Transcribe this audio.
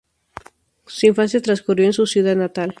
Su infancia transcurrió en su ciudad natal.